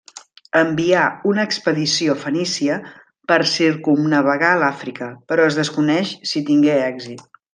Envià una expedició fenícia per circumnavegar l'Àfrica, però es desconeix si tingué èxit.